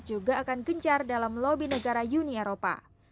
juga akan gencar dalam lobby negara uni eropa